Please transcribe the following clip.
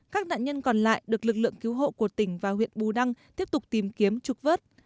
các nạn nhân còn lại được lực lượng cứu hộ của tỉnh và huyện bù đăng tiếp tục tìm kiếm trục vớt